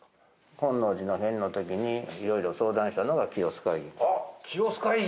本能寺の変のときにいろいろ相談したのが清洲会議。